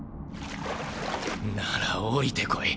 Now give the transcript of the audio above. なら降りてこい。